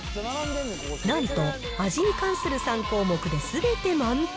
なんと味に関する３項目ですべて満点。